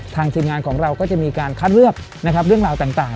ทีมงานของเราก็จะมีการคัดเลือกนะครับเรื่องราวต่าง